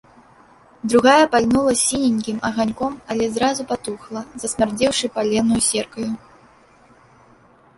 Другая пальнула сіненькім аганьком, але зразу патухла, засмярдзеўшы паленаю серкаю.